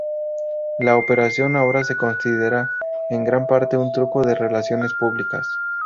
La operación ahora se considera en gran parte un truco de relaciones públicas.